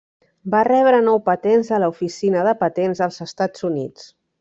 Va rebre nou patents de l'oficina de patents dels Estats Units.